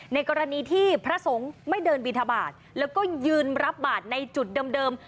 ในกรณีที่พระสงฆ์ไม่เดินบินทบาทแล้วก็ยืนรับบาทในจุดเดิม